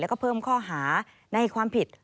แล้วก็เพิ่มข้อหาในความผิด